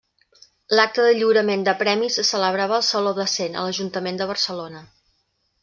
L'acte de lliurament de premis se celebrava al Saló de Cent, a l'Ajuntament de Barcelona.